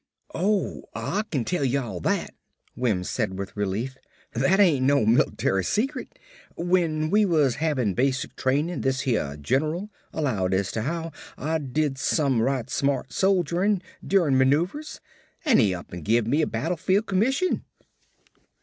"Oh, Ah kin tell y'all that," Wims said with relief. "That ain't no mil't'ry secret. When we was havin' basic trainin' this here gen'ral allowed as to how Ah did some right smart soldierin' durin' maneuvers an' he up an' give me a battlefield commission."